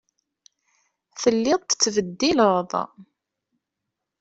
Telliḍ tettbeddileḍ.